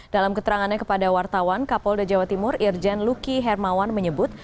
dalam keterangannya kepada wartawan kapolda jawa timur irjen luki hermawan menyebut